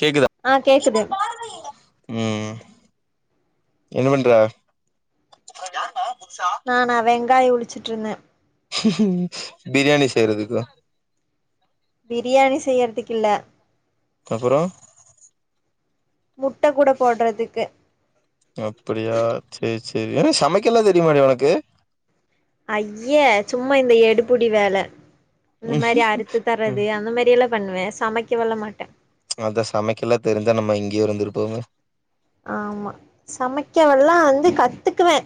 கேக்குதா ஆ கேக்குது ம் என்ன பண்ற நானா வென் கங்காயொ உழிச்சிட்ருந்தே ம் பிரியாணி செய்றதுக்குதா பிரியாணி செய்யற்துக்கில்ல அப்புறோ முட்டக்கூட போட்றதுக்கு அப்டியா சேர் சேரி என்ன சமைக்கல்லா தெரியுமாடி ஒனக்கு ஐயே சும்மா இந்த எடுபுடி வேல இந்த மாரி அறுத்து ம் தர்றது அந்த மாரியெல்லா பண்ணுவே சமைக்க வெல்லா மாட்டேன் அத சமைக்கல்லா தெரிஞ்சா நம்ம எங்கயோ இருந்துருப்போமே ஆமா சமைக்கவல்லா வந்து கத்துக்குவே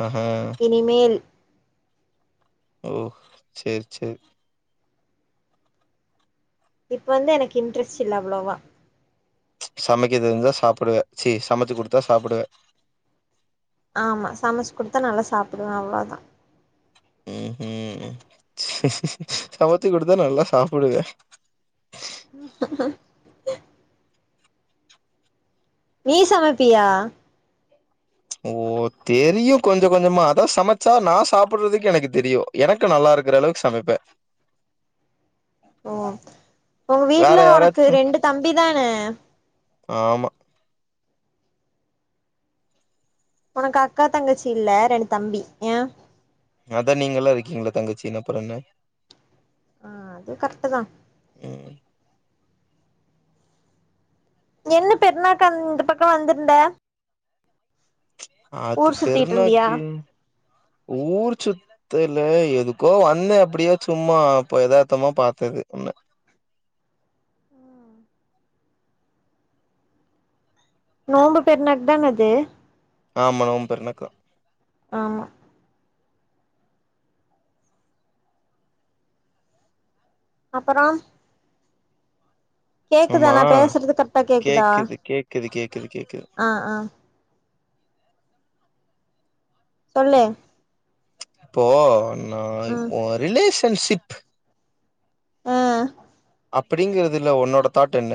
ஆஹா இனிமேல் ஓ சேர் சேர் இப்ப வந்து எனக்கு இன்ட்ரெஸ்ட் இல்ல அவ்ளோவா சமைக்க தெர்ஞ்சா சாப்புடுவ ச்சீ சமைச்சு குடுத்தா சாப்புடுவ ஆமா சமைச்சு குடுத்தா நல்லா சாப்புடுவே அவ்ளோதா உஹூம் சமச்சி குடுத்தா நல்லா சாப்புடுவியா நீ சமைப்பியா ஓ தெரியு கொஞ்சொ கொஞ்சமா அதை சமச்சா நா சாப்புட்றதுக்கு எனக்கு தெரியு எனக்கு நல்லா இருக்ற அளவுக்கு சமைப்பே ஓ ஒங் வீட்ல ஒனக்கு யாராச்சு ரெண்டு தம்பி தான ஆமா ஒனக்கு அக்கா தங்கச்சி இல்ல ரெண்டு தம்பி யான் அதான் நீங்க எல்லாம் இருக்கீங்கள தங்கச்சினு அப்றம் என்ன ஆஹ் அது கர்ட்டுதான் ம் என்ன பெருனாக்கு அந்த பக்கம் வந்திருந்த அது ஊர் சுத்திட்டு இருந்தியா பெருனாக்கு ஊர்ச்சு த்தல்ல எதுக்கோ வந்தன் அப்டியே சும்மா அப்ப எதார்த்தமா பாத்தது உன்ன நோம்பு பெருனாக்கு தான இது ஆமா நோம்பு பெருனாக்குதான் ஆமா அப்பறம் கேக்குதா ஆமா நான் பேசுறது கர்ட்டா கேக்குதா கேக்குது கேக்குது கேக்குது கேக்குது ஆஹ் ஆஹ் சொல்லு இப்போ நாய் ம் ஒன் ரிலிஸ் ஷண்ஷிப்பு ம் அப்பிடிங்கிறதுல ஒன்னோட தாட் என்ன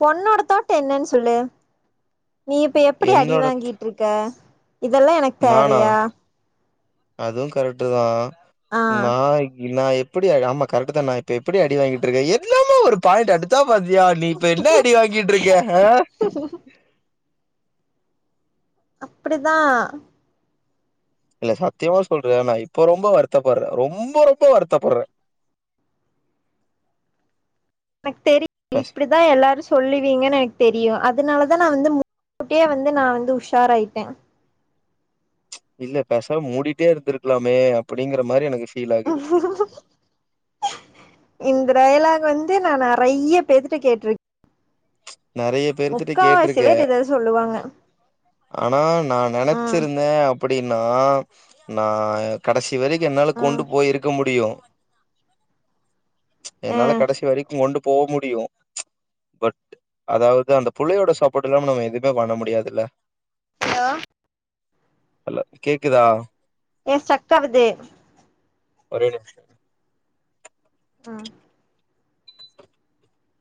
பொண்ணோட தாட் என்னன்னு சொல்லு நீ இப்ப எப்டி அடி என்னோட வாங்கிட்டு இருக்க இதெல்லாம் எனக்கு தேவையா அதுவும் கரெக்ட் தான் ஆ நாயினாயப் இப்புடியா ஆமா கரெட்டுதான் இப்ப எப்புடி அடி வாங்கிட்டு இருக்கன் எல்லாம ஒரு பாயிண்டு அடுச்சாப் பாத்தியா நீ இப்ப என்ன அடி வாங்கிட்டு இருக்க ஆஹ் அப்புடிதான் இல்ல சத்தியமா சொல்ற நான் இப்ப ரொம்ப வருத்தப்படுற ரொம்ப ரொம்ப வருத்தப்படுறன் எனக்கு தெரியும் இப்புடிதான் எல்லாரும் சொல்லுவீங்கன்னு எனக்கு தெரியும் அது அதுனாலதான் நான் வந்து முன்கூட்டியே வந்து நான் வந்து உஷாராயிட்டேன் இல்ல பெசாம மூடிட்டே இருந்திருக்கலாமே அப்புடிங்கிற மாறி எனக்கு ஃபீல் ஆகுது இந் த டயலாக் வந்து நான் நிறைய பேத்துட்ட கேட்டுருக் நெறைய பேர்த்திட்ட கேட்டிருக்க பேர் இத சொல்லுவாங்க ஆனா நான் ம் நெனைச்சிருந்தன் அப்புடின்னா ஆ நா எ கடசி சிவலிக்கும் என்னால ம் கொண்டு போய் இருக்க முடியும் அ என்னால கடைசி வரைக்கு கொண்டு போ முடியு பட் அதாவது அந்த புள்ளையோட சாப்போட் இல்லாம நம்ம எதுமே பண்ண முடியாதுல்ல ஆ ஹலோ கேக்குதா ஏ ஸ்ட்ரக்காவுது ஒரே நிம்ஷோ ஆ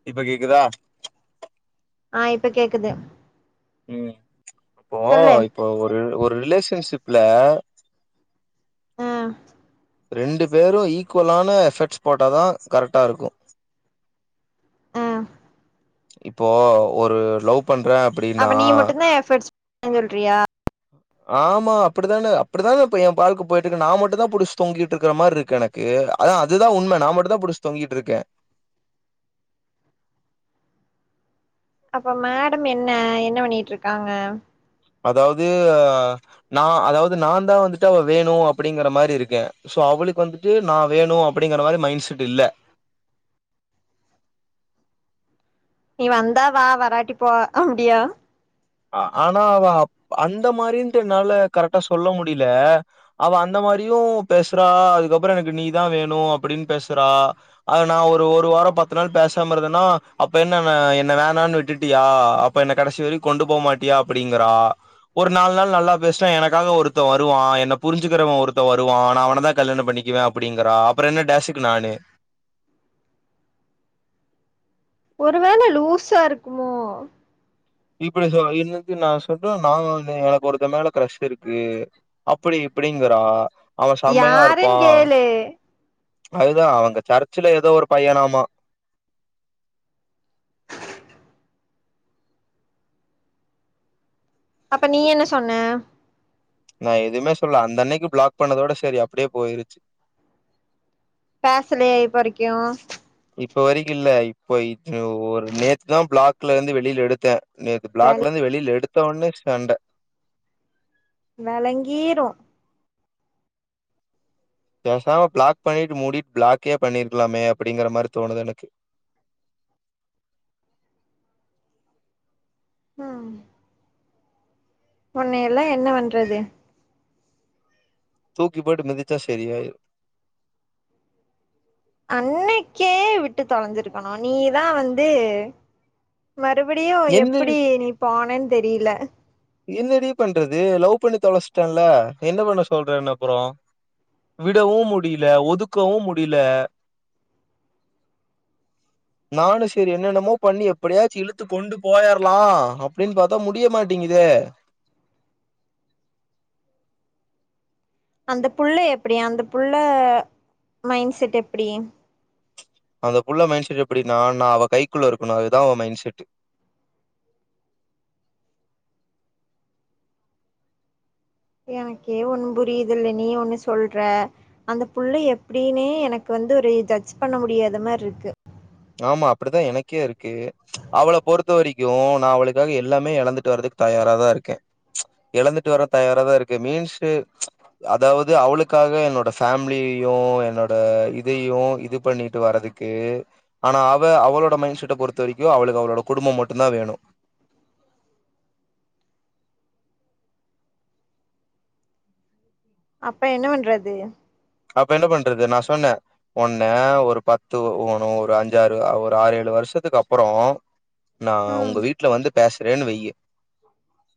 இப்ப கேக்குதா ஆ இப்ப கேக்குது ம் அப்போ சொல்லு இப்ப ஒரு ஒரு ரிலேஷன்ஷிப் குள்ள ஆ ரெண்டு பேரும் ஈக்குவலான எஃபர்ட்ஸ் போட்டாதா கரெட்டா இருக்கும் ஆ இப்போ ஒரு லவ் பண்றேன் அப்டின்னா ன் சொல்றியா ஆமா அப்டிதானே அப்டிதான இப்ப என் வாழ்க்க போயிட்ருக்கு நா மட்டு தா புடிச்சு தொங்கிட்ருக்குற மாரி இருக்கு எனக்கு அதான் அதுதா உண்ம நா மட்டு தா புடிச்சு தொங்கிட்ருக்கே அப்ப மேடம் என்ன என்ன பண்ணிட்ருக்காங்க அதாவது நா அதாவது நா தா வந்துட்டு அவ வேணு அப்டிங்கிற மாரி இருக்கே சோ அவளுக்கு வந்துட்டு நா வேணும் அப்படிங்கிற மாரி மைண்ட் செட் இல்ல நீ வந்த வா வராட்டி போ அப்டியா ஆ ஆனா அவ அந்த மாரின்ட்டு என்னால கரெக்டா சொல்ல முடில அவ அந்த மாரியும் பேசுறா அதுக்கப்பறோ எனக்கு நீதா வேணு அப்டின்னு பேசுறா அத நா ஒரு ஒரு வாரோ பத்து நாள் பேசாம இருந்தன்னா அப்ப என்ன ஆ என்ன வேணான்னு விட்டுட்டியா அப்ப என்ன கடைசி வரை கொண்டு போமாட்டியா அப்டிங்குறா ஒரு நாலு நாள் நல்லா பேசுனா எனக்காக ஒருத்தன் வருவான் என்ன புரிஞ்சுக்கிறவன் ஒருத்தன் வருவான் நா அவனதா கல்யாணோ பண்ணிக்குவே அப்டிங்கிறா அப்பறோ என்ன டேசுக்கு நானு ஒருவேள லூசா இருக்குமோ இப்டி சொ இன்னக்கு நான் சொல்றே நான் எனக்கு ஒருத்த மேல கிரெஷ் இருக்கு அப்டி இப்டிங்கிறா யாருன்னு கேளு அதுதா அவங்க சர்ச்ல ஏதோ ஒரு பையனாம அப்ப நீ என்ன சொன்ன நான் எதுமே சொல்லுல அந்த அன்னைக்கு பிளாக் பண்ணதோட சரி அப்டியே போயிருச்சு பேசலயா இப்ப வரைக்கு இப்ப வரைக்கு இல்ல இப்போ இ ஒரு நேத்து தா ப்ளாக்லருந்து வெளில எடுத்தே நேத்து வெள ப்ளாக்லேந்து வெளில எடுத் எடுத்தோன்னே சண்ட வெளங்கீரும் பேசாம ப்ளாக் பண்ணிட்டு மூடிட்டு ப்ளாக்கே பண்ணிருக்கலாமே அப்டிங்கிற மாரி தோணுது எனக்கு ஆ ஒன்னையெல்லா என்ன பண்றது தூக்கிப்போட்டு மிதிச்சா சரியாயிரு அன்னைக்கே விட்டு தொலைஞ்சிருக்கணு நீதா வந்து மறுபடியும் என்ன எப்டி நீ போனன்னு தெரியில என்னடி பண்றது லவ் பண்ணி தொலைச்சிடேன்ல என்ன பண்ண சொல்ற என்ன அப்பறோ விடவு முடியில ஒதுக்கவு முடியில நானு செரி என்னன்னமோ பண்ணி எப்படியாச்சு இழுத்து கொண்டுப்போயர்லா அப்டின்னு பாத்தா முடிய மாட்டேங்கி தே அந்த புள்ள எப்டி அந்த புள்ள மைண்ட் செட் எப்டி அந்த புள்ள மைண்ட செட் எப்டின்னா நா அவ கைக்குள்ள இருக்கணு அதுதா அவ மைண்ட செட் எனக்கே ஒண்ணு புரியுது இல்ல நீ ஒண்ணு சொல்ற அந்த புள்ள எப்டின்னே எனக்கு வந்து ஒரு ஜட்ஜ் பண்ண முடியாத மாரி இருக்கு ஆமா அப்டித்தா எனக்கே இருக்கு அவள பொறுத்த வரைக்கு நா அவளுக்காக எல்லாமே எழந்துட்டு வரதுக்கு தயாராதா இருக்கே எழந்துட்டு வர தயாராதா இருக்கே மீன்ஸ் அதாவது அவளுக்காக என்னோட ஃபமிலியையு என்னோட இதையு இது பண்ணிட்டு வரதுக்கு ஆனா அவ அவளோட மைண்ட் செட்ட பொறுத்த வரைக்கு அவளுக்கு அவளோட குடும்பம் மட்டும் தா வேணு அப்ப என்ன பண்றது அப்ப என்ன பண்றது நா சொன்னே ஒன்ன ஒரு பத்து ஓண அஞ்சாறு ஒரு ஆறு ஏழு வருஷத்துக்கு அப்பறோ நா உங்க ம் வீட்ல வந்து பேச ரேனு வை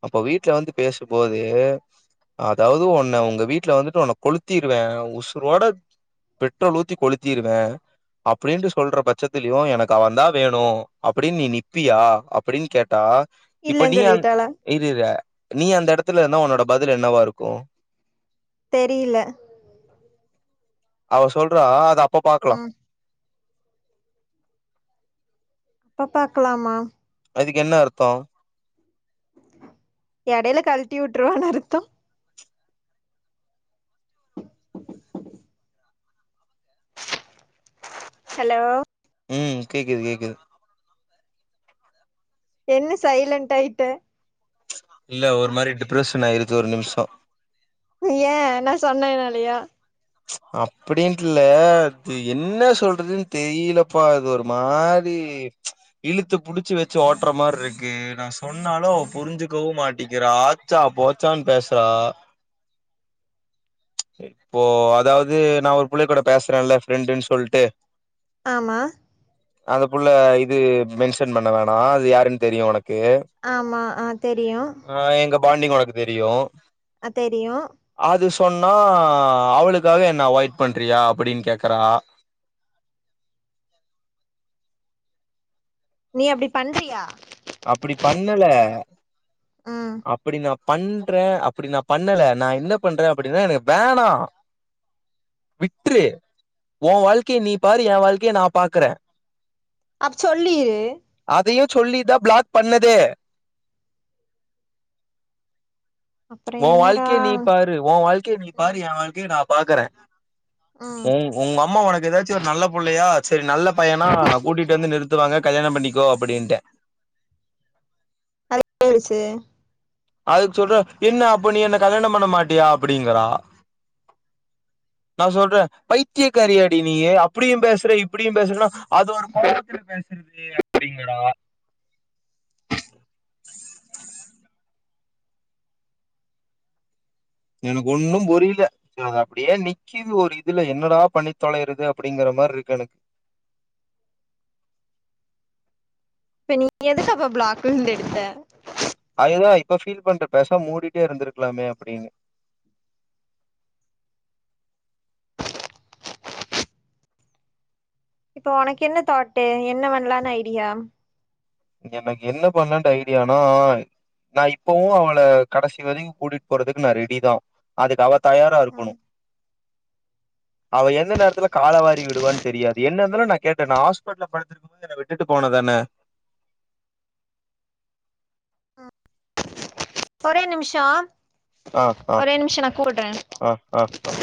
அப்ப வீட்ல வந்து பேசும்போது அதாவது உன்ன உங்க வீட்ல வந்துட்டு கொளுத்திருவே உசு உசுரோட பெட்ரோல் ஊத்தி கொளுத்திருவே அப்டின்னு சொல்ற பட்சத்திலயு எனக்கு க் அவந்தா வேணு அப்டின்னு நீ நிப்பியா அப்டின்னு கேட்டா இப்ப இல்லன்னு நீ அ சொல்லிட்டாளா இருரு நீ அந்த இடத் த்துல இருந்தா உன்னோட பதில் என்னவா இருக்கு தெரில அவ சொல்றா அது அப் அப்ப பாக்கலாம் ம் அப்ப பாக்கலாமா அதுக்கு என்ன அர்த்தோ எடையில கழட்டி விட்டுருவான்னு அர்த்தம் ஹலோ உம் கேக்குது கேக்குது என்ன சைலன்ட் ஆயிட்ட இல்ல ஒரு மாரி டிப்ரஷன் ஆயிருச்சு ஒரு நிமிஷம் ஏ நா சொன்னேன் நாலயா அப்டின்ட்டு இல்ல அது என்ன சொல்றதுன்னு தெரியலப்பா இது ஒரு மாரி இழுத்து புடிச்சு வச்சு ஓட்டுற மாரி இருக்கு நா சொன்னாலு அவ புரிஞ்சுக்கவும் மாட்டிக்கிற ஆச்சா போச்சான்னு பேசுறா இப்போ அதாவது நா ஒரு பிள்ளை கூட பேசுறேன்ல ஃப்ரெண்டுன்னு சொல்லிட்டு ஆமா அந்த புள்ள இது மென்ஷன் பண்ண வேணா அது யாருன்னு தெரியு உனக்கு ஆமா அ தெரியும் ஆ எங்க பாண்டிங் உனக்கு தெரியு அ தெரியு அது சொன்னா அவளுக்காக என்ன அவாய்ட் பண்றியா அப்டின்னு கேக்குறா நீ அப்டி பண்றியா அப்டி பண்ணல ம் அப்டி நா பண்றே அப்படி நா பண்ணல நா என்ன பண்றேன் அப்டின்னா எனக்கு வேணா விட்டுறு உ வாழ்க்கைய நீ பாரு எ வாழ்க்கைய நா பாக்குறே அப்ப சொல்லீரு அதையும் சொல்லி தா பிளாக் பண்ணதே அப்றோ ஒ என்னடா வாழ்கய நீ பாரு ஒ வாழ்க்கைய நீ பாரு ம் எ வாழ்கய நா பா பாக்குறேன் ம் உ உங்க அம்மா உனக் ஏதாச்சும் ஒரு நல்ல புள்ளையா செரி நல்லப் பையனா நா ந கூட்டிட்டு வந்து நிறுத்துவாங்க கல்யாணம் பண்ணிக்கோ அப்டின்ட்டு [unintelligible] அதுக்கு சொல்ற என்ன அப்ப நீ என்ன கல்யாணம் பண்ண மாட்டியா அப்படிங்கறா நான் சொல்றேன் பைத்தியக்காரியடி நீயு அப்டியும் பேசுற இப்டியும் பேசுறேன்னா அதுோ ஒரு குடும்பத்துல பேசுறது அப்படிங்றா எனக்கு ஒன்னும் புரில நான் அப்டியே நிக்குது ஒரு இதுல என்னடா பண்ணி தொலைையறது அப்படிங்கிற மாரி இருக்கு எனக்கு இப்ப நீ எதுக்க அப்ப பிளாக்லெருந்து எடுத்த அதுதான் இப்ப ஃபீல் பண்றே பெசாம மூடிட்டே இருந்திருக்கலாமே அப்படின்னு இப்போ உனக்கு என்ன தாட்டு என்ன வண்லானு ஐடியா எனக்கு என்ன பண்ணன் ஐடியானா நான் இப்பவும் அவள கடைசி வரைக்கு கூட்டிட்டு போறதுக்கு நான் ரெடி தான் அதுக்கு அவ தயாரா இருக்கணு அவ எந்த நேரத்துல காலவாரி விடுவான்னு தெரியாது என்ன இருந்தாலும் நான் கேட்டேன் நா ஹாஸ்பிடல படுத்துக்கும் போது என்னை விட்டுட்டு போனதான ஒரே நிமிஷோ ஆஹ் ஆஹ் ஒரே நிமிஷோ நா கூப்ட்றே ஆஹ் ஆஹ் ஆஹ்